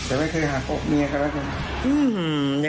แต่ไม่เคยหักอบเมียกันแล้วค่ะ